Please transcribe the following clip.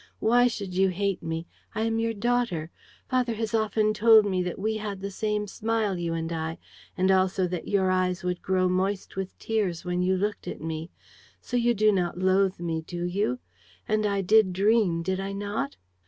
Why should you hate me? I am your daughter. Father has often told me that we had the same smile, you and I, and also that your eyes would grow moist with tears when you looked at me. So you do not loathe me, do you? And I did dream, did I not?